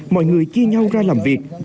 mọi người chia nhau ra làm việc